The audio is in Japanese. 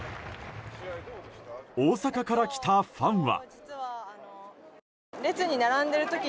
大阪から来たファンは。